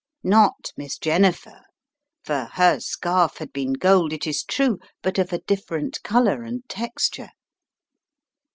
Not Miss Jennifer, for her scarf had been gold, it is true, but of a different colour and texture.